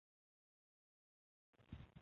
佛霍夫染色突出显示弹性蛋白。